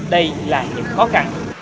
đây là những khó khăn